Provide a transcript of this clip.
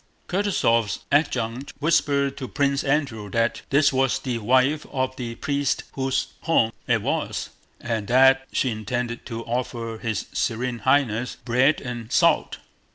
Kutúzov's adjutant whispered to Prince Andrew that this was the wife of the priest whose home it was, and that she intended to offer his Serene Highness bread and salt.